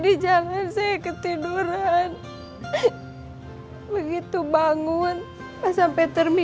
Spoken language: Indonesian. di kawasan di kawasan di kawasan di obrol obrol obrol jam jam